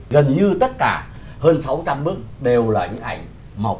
gần như tất cả hơn sáu trăm linh bức đều là những ảnh mộc